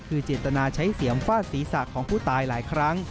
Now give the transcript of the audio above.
คือเจตนาใช้เสียอำฟาดศรีษักดิ์ของผู้ตายหลายครั้ง